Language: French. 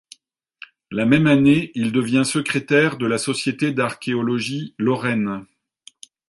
La même année, il devient secrétaire de la société d'archéologie lorraine.